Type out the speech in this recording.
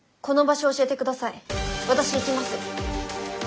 私行きます。